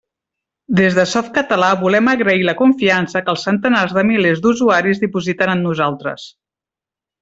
Des de Softcatalà volem agrair la confiança que els centenars de milers d'usuaris dipositen en nosaltres.